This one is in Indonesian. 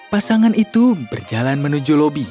pasangan itu berjalan menuju lobi